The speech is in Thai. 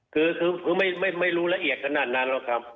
คือไม่รู้ละเอียดขนาดนั้นหรอกครับ